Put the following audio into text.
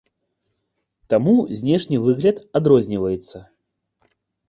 Таму знешні выгляд адрозніваецца.